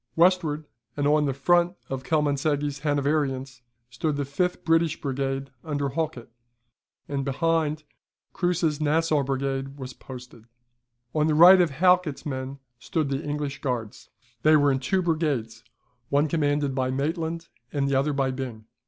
Westward, and on the right of Kielmansegge's Hanoverians, stood the fifth British brigade under Halkett; and behind, Kruse's Nassau brigade was posted. On the right of Halkett's men stood the English Guards. They were in two brigades, one commanded By Maitland, and the other by Byng.